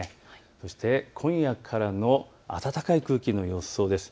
そして今夜からの暖かい空気の予想です。